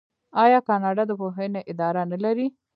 آیا کاناډا د پوهنې اداره نلري؟